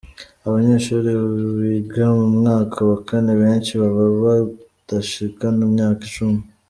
Abanyeshure biga mu mwaka wa kane benshi baba badashikana imyaka cumi.